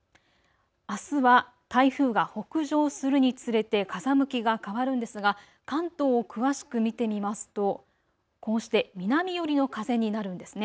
あすは台風が北上するにつれて風向きが変わるんですが関東を詳しく見てみますとこうして南寄りの風になるんです。